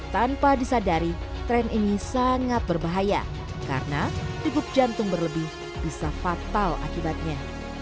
tanpa disadari tren ini sangat berbahaya karena degup jantung berlebih bisa fatal akibatnya